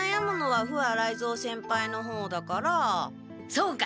そうか！